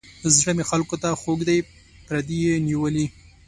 زړه مې خلکو ته خوږ دی پردي یې نیولي.